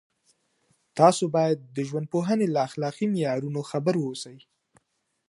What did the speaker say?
تاسو باید د ژوندپوهنې له اخلاقي معیارونو خبر اوسئ.